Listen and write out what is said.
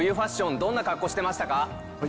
どんな格好してましたか？